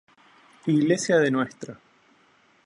Iglesia de Ntra.